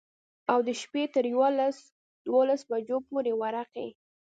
او د شپي تر يوولس دولسو بجو پورې ورقې.